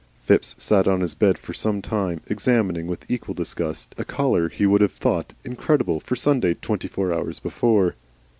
Phipps sat on his bed for some time examining, with equal disgust, a collar he would have thought incredible for Sunday twenty four hours before.